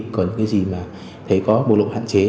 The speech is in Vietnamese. còn những cái gì mà thấy có bộ lộ hạn chế